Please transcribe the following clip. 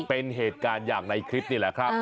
เป็นเหตุการณ์อย่างในคลิปนี่แหละครับ